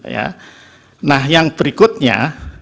ya nah yang berikutnya